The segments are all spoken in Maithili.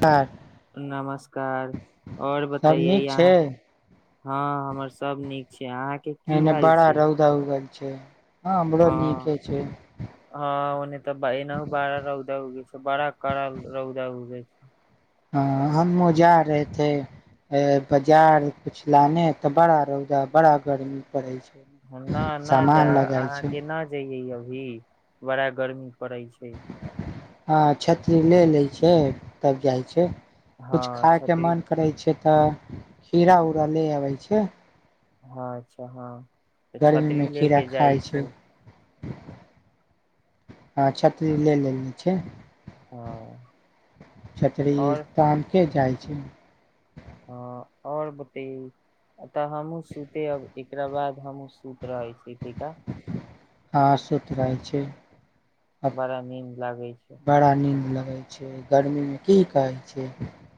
कार नमस्कार, और सब बताइए नीक छै यहां हां, हमर सब नीक छै। अहाँके की एमहर हाल बड़ा छै रौदा उगल छै। हां, बड़ा नीके छै। नहि त बाहर मे बड़ा रौदा उगै छै, बड़ा कड़ा रौदा उगै छै। हां हमहुं जा रहे थे बजार कुछ लाने त बड़ा रौदा बड़ा गर्मी पड़ै छै। ना ना जा, सामान लगाय छै अहांके न जइयै यौ। भी, बड़ा गर्मी पड़ै छै। हां छतरी ले लैत छै तब जाइ छै। हँ कुछ खायके छतरी मन करै छै हां, खीरा उरा ले आबै छियै। हां अच्छा हां। गर्मीमे खीरा खाइ छै हँ छतरी ले लेने छै हँ छतरी और तान के जाइ छै हँ आओर बतेयौ तऽ हमहूँ सुते अब एकरा बाद हमहूँ सुत रहै छी तैका हँ सूत रहै छी बड़ा नीन्द लागै छै कहैय छियै गर्मीमे की कहै छियै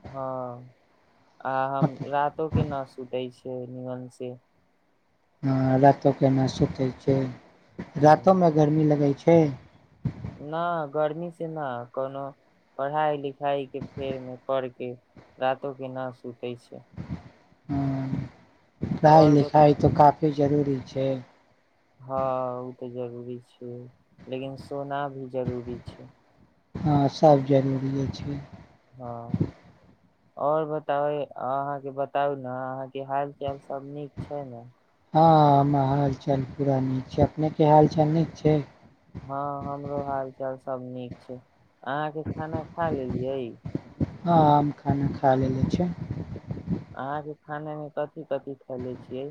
हँ आ हम रातों के ना सुतै छी [unintelligible] हँ रातिके ना सुतै छै रातो मे गर्मी लगै छै हूँ [unintelligible] हँ [unintelligible] और जे जरूरी छै हँ ओ तऽ जरूरी छै लेकिन सोना भी जरूरी छै हँ सभ जरूरिए छै [unintelligible] [unintelligible] हँ हमरो हाल चाल सब नीक छै अहाँके खाना खा लेलियै ह हम खाना खा लेल छियै अहाँके खानेमे कथि कथि खैले छियै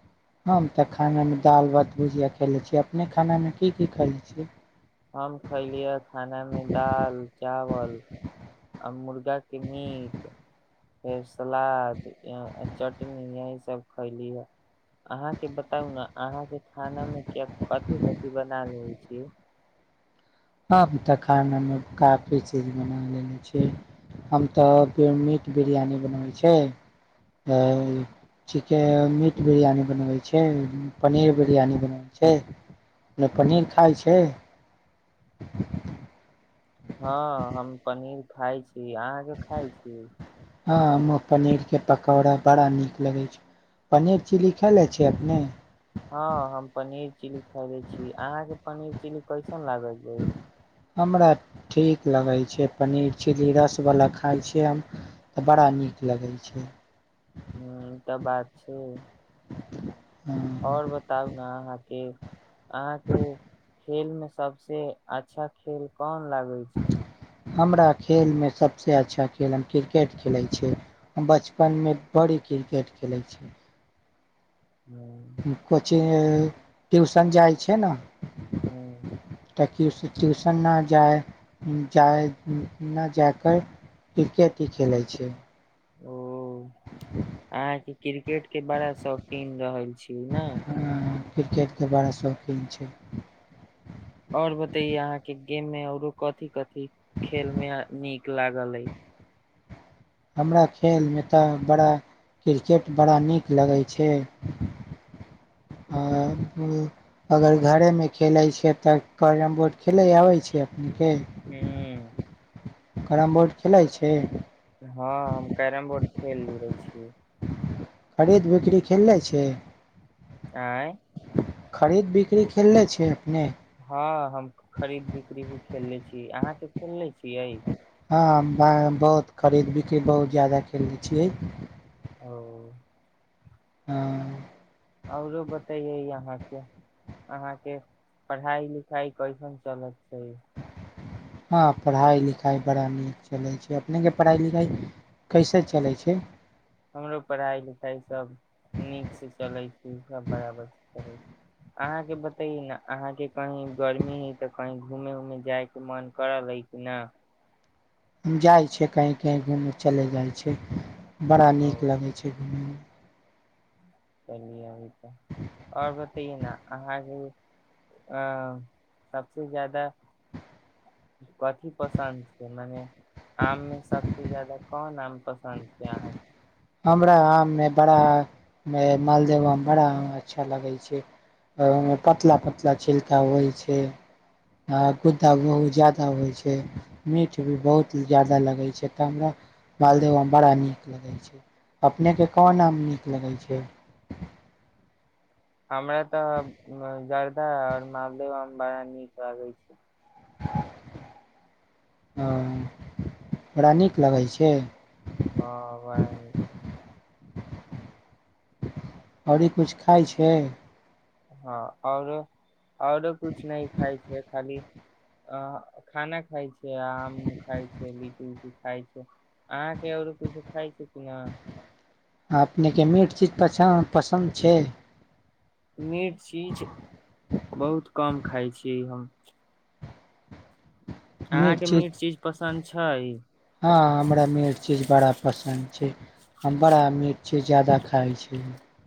[unintelligible] [unintelligible] [unintelligible] [unintelligible] [unintelligible] [unintelligible] कियै [unintelligible] [unintelligible] हँ हम पनीर खाय छी अहाँके खाय छी [unintelligible] हँ हम पनीर [unintelligible] [unintelligible] हुं, त बात छै। और बताउ। ना अहांके अहांके खेलमे सबसे अच्छा खेल कोन लागै छै? हमरा खेलमे सबसे अच्छा खेल हम क्रिकेट खेलाय छियै। हम बचपनमे बड़ी क्रिकेट खेलाय छियै। ह कोचिंग, ट्युशन जाइ छै ने। हुं। त ट्यु ट्युशन न जाइ, जाइ, नै जा क क्रिकेट ही खेलय छियै। ओ ओ, अहांके क्रिकेट के बड़ा शौकीन रहल छी न। क्रिकेट के बड़ा शौकीन छी। और बतैयौ अहांके गेम मे औरो कथि कथि कथि खेल मे नीक लागल अइ। हमरा खेलमे त बड़ा क्रिकेट बड़ा नीक लगै छै, अगर घरेमे खेलैत छियै त कैरम बोर्ड खेलै आबै छै। अपनेके हुं। कैरम बोर्ड खेलाइ छी? हां, हम कैरम बोर्ड खेल लै छियै। खरीद बिक्री खेललै छियै? ऐं। खरीद बिक्री खेलले छियै कि नै? हां हम खरीद बिक्री भी खेलले छियै, अहां सब खेलनेे छियै? हां ब बहुत खरीद बिक्री बहुत जादा खेलने छियै। ओ हां औरो बतैयौ अहांके, अहांके पढ़ाई लिखाइ कैसन चलत छै। हां पढ़ाइ लिखाइ बड़ा नीक चलै छै, अपनेके पढ़ाइ लिखाइ कैसे चलै छै। हमरो पढ़ाई लिखाई सब कहुं, अहांके बतैयौ ने अहांके कहीं गर्मी हइं त कहीं घुमे उमे जायके मन करल है कि न? जाइ छियै कहीं कहीं घुमय चलय जाइ छियै। बड़ा ओ नीक लगै छै घुमयमे। चलिए अभी त, और बतैयो ने अहांके, अं सबसे जादा कथी पसन्द छै मने आम मे सब जादा कोन आम पसन्द छै अहांके? हमरा आममे बड़ा मालदह आम बड़ा अच्छा लगै छै, ओहिमे पतला पतला छिलका होइ छै आ गुद्दा बहुत जादा होइ छै, मीठ भी बहुत जादा लगै छै त हमरा मालदह आम बड़ा नीक लगै छै। अपनेके कोन आम नीक लगै छै। हमरा त जरदा और मालदह आम बड़ा नीक लगै छै। हां, बड़ा नीक लगै छै? हां, बड़ा नीक लगै छै। औरी कुछ खाइ छै। हां, औरो औरो कुछ नहि खाइ छै खाली आ खाना खाइ छी। जे आम खाय छै लीची- ऊची खाय छै। अहाँके आऔरो किछु खाइ छै कि न। अपनेके मीठ चीज पछान पसन्द छै। मीठ चीज बहुत कम खाइ छियै हम। अहाँके मीठ चीज पस् संद छैय। हँ हमरा मट छी बड़ा पसन्द छै। बड़ा मीठ चज जादा खाइ छै।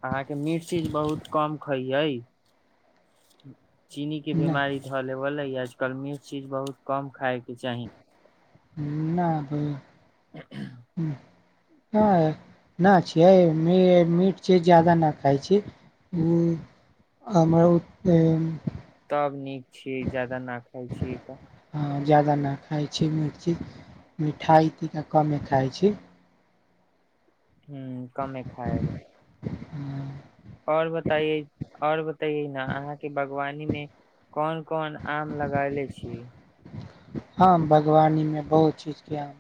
अहाँके मिठ चीज बहुत कम खइयै। चीनी के न बीमारी धऽले बलै य। आज कल म चीज बहुत कम खाायके चाही। नब ह्म हँ नहि छियै मीट मीठ चीज ज्यादा नहि खाइ छी ओ हमरो तब नीक छीयै जादा न खाइ छीयै तऽ जादा नहि खाइ छी मिर्ची मिठाइ ता कमे खाइ छी हू कमे खाइब हूँ और बताइए न अहाँके बागवानी मे कोन कोन आम लगैले छी हमँ बागवानीमे बहुत चीजके हम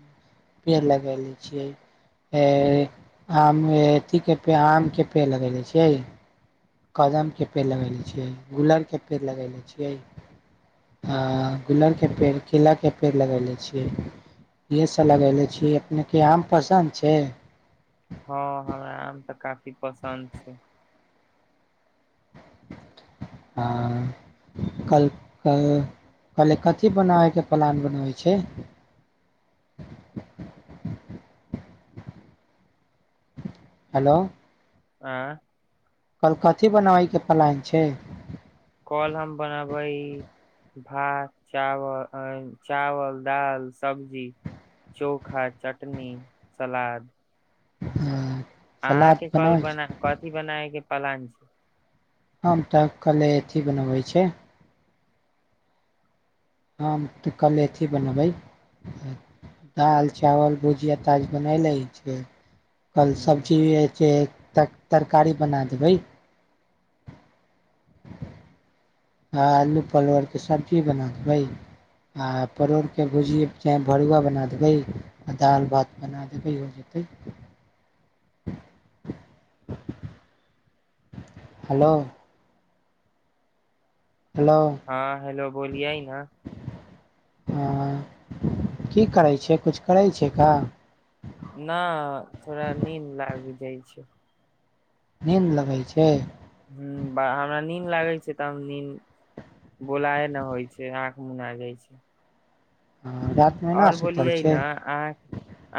पेड़ लगयले छियै आम अथीके पेड़ आमके पेड़ लगयले छियै। कदमके पेड़ लगयनेे छियै गुलरके पेड़ लगयनेे छियै आ गुलरके पेड़ केलाके पेड़ लगेले छियै इएहसभ लगय छियै अपनेके आम पसन्द छै। हँ हमरा आम तऽ काफी पसन्द छै। आ कल क कल् कथी बनाबयके प्लान बनबै छै हेलो हँ और कथि बनाबैके प्लान छै। कल हम बनबै भात, चावल चावल, दाल, सब्जी चोखा चटनी सलाद हँ अहाँके कल बना कथि बनाऐ के पलंग हम तऽ कले अथि बनबै छै हम तऽ कल अथि बनबै दालि, चावल, भुजिया ताज बनायलै छै कल हम्म, सब्जी भी होइ छै। तर तरकारी बना देबै। आ आलू परवल के सब्जी बना देबै आ परोरके भुजी चाहे भरुआ बना देबै आ दालि भात बना देबै हो जेतै हेलो हेलो हाँ हेलो बोलिये ना। हाँ की करै छियै, कुछ करै छियै का। ना थोड़ा नीन्द लाग जाय छै। नीन्द लगै छै। ह्म्म बा हमरा नीन्द लागै छै, तब नीन्द बोलाए ने होय छै, आँख मुनाय जाय छै। रातिमे ना और सुतल बोलियै ने छै अहाँ,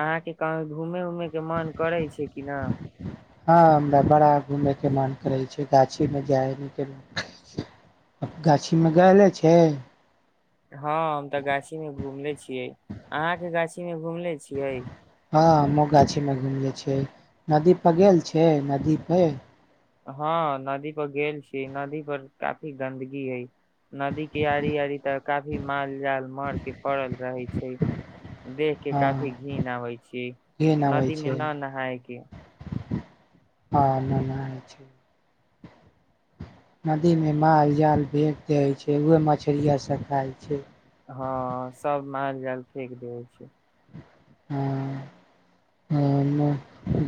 अहाँ के कहीं घूमे ऊमे के मन करै छै की ना। हाँ हमरा बड़ा घूमयके मन करै छै, गाछी मे जाय [unintelligible] गाछी मे गयले छै। हाँ हम ते गाछी मे घुमले छियै, अहाँ के गाछी इन्ने घुमले छियै। हाँ हमु गाछी मे घुमले छिये, नदी पर गेल छै, नदी पे। हाँ नदी पर गेल छी, नदी पर काफी गन्दगी ए, नदी के आड़ी-आड़ी तऽ काफी माल जाल मर के पड़ल रहै छै। देख के हँ काफी घिन्न आबै छी, घिन अबै नदी मे छै ना नहाय के आ मे ना हय छै। नदी मे माल जाल फेक देय छै, उहे मछरीया सब खाय छै। हाँ सब माल जाल फेेक देै छै। [unintelligible] ओय मे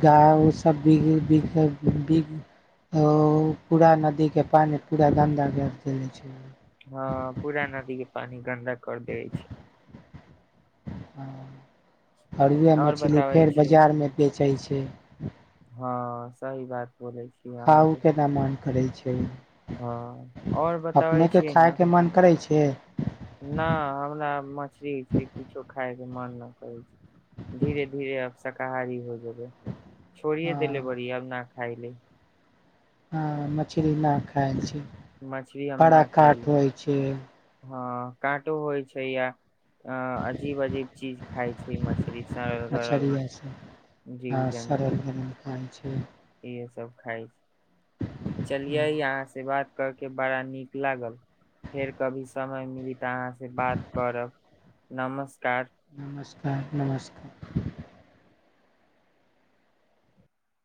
गाय उ सब बिग बिग बिग औ पूरा नदी के पानी पूरा गंदा काय के चलै छै। हाँ पूरा नदी के पानी गन्दा कर देय छै। और उहाए मछली बताबै फेर छी बजार में बेचै छै। [unintelligible] हाँ सही बात बोलै छी खाउ अहाँके। के न मन करै छै। हाँ और बताबै अपने के छी खाय ने। के [unintelligible] न हमरा मछली उछली कुछो खाय मन ना करै छै, धीरे-धीरे अब शकाहारी हो जेबै। छोड़िये हँ देले बड़ी अब ना खायले। हाँ मछरी ना खाय छी। मछली बड़ा काट होय छै। हाँ काँटो होय छै या अ अजीब-अजीब चीज खाय छै मछरी सड़ल-गड़ल मछरिया से जीव-जन्तु। हुं। इहे सब खाय छै, चलिये हाँ, अहाँ से बात कर के बड़ा नीक लागल फेर कभी समय मिली ते अहाँ से बात करब नमस्कार। नमस्कार, नमस्कार।